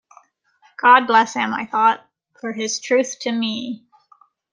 "God bless him," I thought, "for his truth to me!"